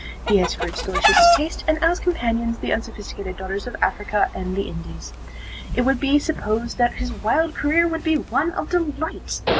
He has fruits delicious to taste, and as companions, the unsophisticated daughters of Africa and the Indies. It would be supposed that his wild career would be one of delight.